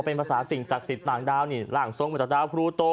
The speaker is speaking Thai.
เป็นภาษาสิ่งศักดิ์สิทธิ์ต่างดาว